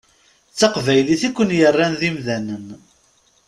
D taqbaylit i ken-yerran d imdanen.